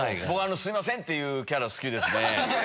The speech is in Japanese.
僕「すいません！」っていうキャラ好きですね。